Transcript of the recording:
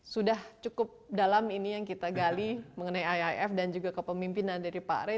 sudah cukup dalam ini yang kita gali mengenai iif dan juga kepemimpinan dari pak rey